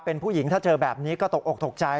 เป็นผู้หญิงถ้าเจอแบบนี้ก็ตกอกตกใจ